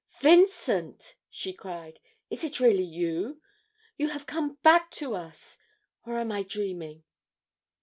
'Vincent!' she cried. 'Is it really you? you have come back to us or am I dreaming?'